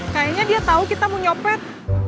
kayaknya dia tahu kita mau nyopet